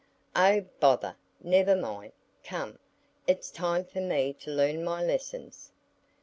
"Oh, bother! never mind! Come, it's time for me to learn my lessons.